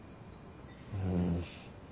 うん。